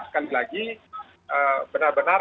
sekali lagi benar benar